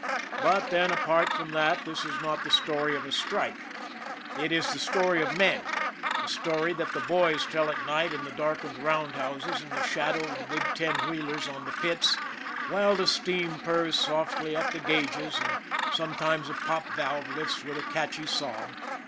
But then, apart from that, this is not the story of a strike, it is the story of men a story that the boys tell at night in the darkened roundhouses in the shadow of the big ten wheelers on the pits, while the steam purrs softly at the gauges and sometimes a pop valve lifts with a catchy sob.